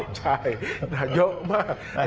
ใช่เยอะมาก